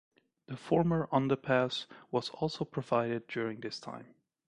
The former underpass was also provided during this time.